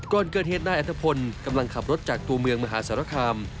ก่อนเกิดเหตุนายอัตภพลกำลังขับรถจากตัวเมืองมหาสารคาม